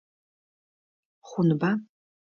Хъунба?